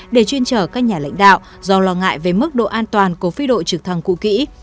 để chuyên trở các nhà lãnh đạo do lo ngại về mức độ an toàn của phi đội trực thăng cụ kỹ